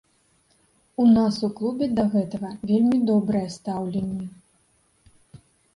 У нас у клубе да гэтага вельмі добрае стаўленне.